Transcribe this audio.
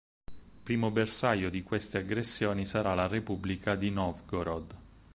Primo bersaglio di queste aggressioni sarà la Repubblica di Novgorod.